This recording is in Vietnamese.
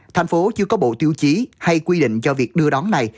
tp hcm chưa có bộ tiêu chí hay quy định cho việc đưa đón này